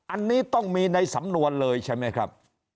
อันนี้ต้องมีในสำนวนเลยใช่ไหมครับ